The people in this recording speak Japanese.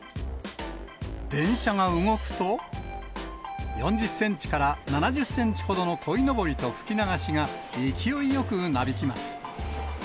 電車が動くと、４０センチから７０センチほどのこいのぼりと吹き流しが、勢いよくなびきます。